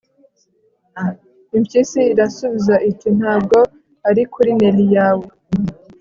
impyisi irasubiza iti 'ntabwo ari kuri nelly yawe